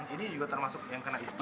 ini juga termasuk yang kena istri